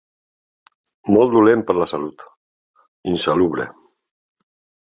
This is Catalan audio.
Molt dolent per a la salut, insalubre.